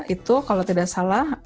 itu kalau tidak salah